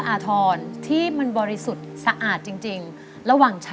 ขอจองในจ่ายของคุณตะกะแตนชลดานั่นเองนะครับ